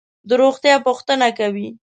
د روغتیا پوښتنه کوي.